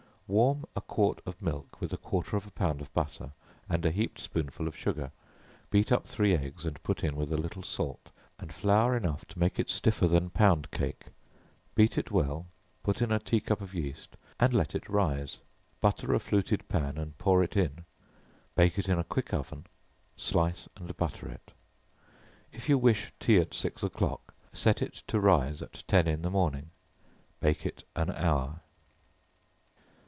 Warm a quart of milk with a quarter of a pound of butter, and a heaped spoonful of sugar, beat up three eggs, and put in, with a little salt, and flour enough to make it stiffer than pound cake, beat it well, put in a tea cup of yeast, and let it rise, butter a fluted pan and pour it in, bake it in a quick oven, slice and butter it. If you wish tea at six o'clock, set it to rise at ten in the morning. Bake it an hour.